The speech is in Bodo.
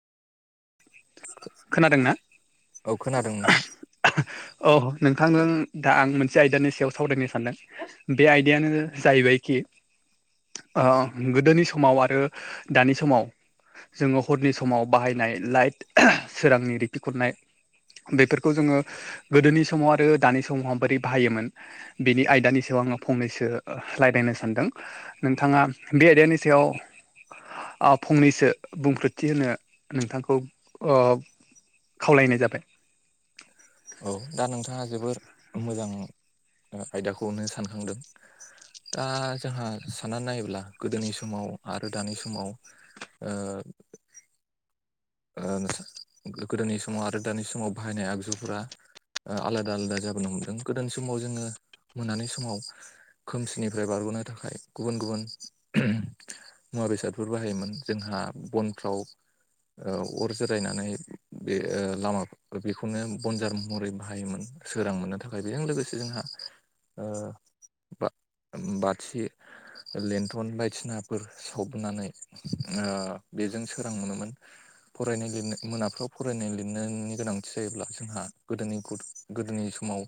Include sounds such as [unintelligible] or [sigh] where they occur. खोनादोंना औ खोनादों नोंथां। औ नोंथांजों दा आं मोनसे आयदानि सायाव सावरायनो सानदों। बे आयदायानो जाहैबायखि ओ गोदोनि समाव आरो दानि समाव जोङो हरनि समाव बाहायनाय लाइट सोरांनि रिखि खूनाय। बेफोरखौ जोङो गोदोनि समाव आरो दानि समावहा बोरै बाहायोमोन बेनि आयदानि सायाव आङो फंनैसो राय्लायनो सानदों। नोंथाङा बे आयदानि सायाव ओ फंनैसो बुंफोरोथि होनो नोंथांखौ ओ खावलायनाय जाबाय औ दा नोंथाङा जोबोर मोजां आयदाखौनो सानखांदों। दा जोंहा साननानै नायोब्ला गोदोनि समाव आरो दानि समाव ओ ओ गोदोनि समाव आरो दानि समाव बाहायनाय आगजुफोरा आलादा आलादा जाबोनो हमदों गोदोनि समाव जोङो मोनानि समाव। खोमसिनिफ्राय बारग'नो थाखाय गुबुन- गुबुन मुवा बेसादफोर बाहायोमोन जोंहा बनफ्राव ओ अर जरायनानै बे ओ लामाफोराव- बेखौनो बनजार महरै बाहायोमोन सोरां मोननो थाखाय। बेजों लोगोसे जोंहा- ओ बा बाथि- लेन्थन बायदिनाफोर सावनानै बेजों सोरां मोनोमोन। [unintelligible] [unintelligible] फरायनाय लिरनो मोनाफ्राव फरायनाय लिरनायनि गोनांथि जायोब्ला जोंहा गोदोनि गोदोनि समाव